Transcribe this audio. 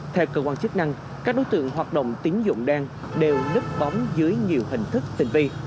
theo cơ quan chức năng các đối tượng hoạt động tín dụng đen đều nứt bóng dưới nhiều hình thức tinh vi